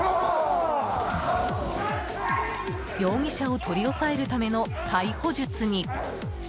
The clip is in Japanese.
容疑者を取り押さえるための逮捕術に。